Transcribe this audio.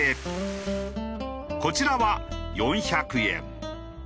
こちらは４００円。